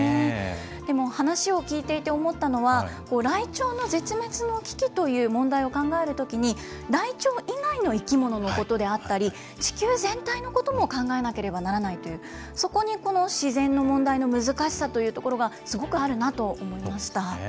でも話を聞いていて思ったのは、ライチョウの絶滅の危機という問題を考えるときに、ライチョウ以外の生き物のことであったり、地球全体のことも考えなければならないという、そこに自然の問題の難しさというところが、すごくあるなと思いました。